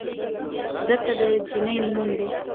زرکه د جينۍ نوم دے